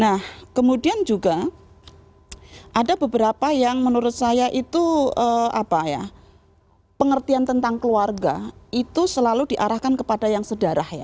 nah kemudian juga ada beberapa yang menurut saya itu pengertian tentang keluarga itu selalu diarahkan kepada yang sedarah ya